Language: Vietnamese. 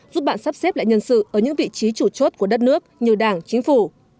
giúp bạn sắp xếp lại nhân sự ở những vị trí chủ chốt của đất nước như đảng chính phủ